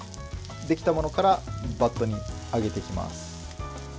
できたものからバットにあげていきます。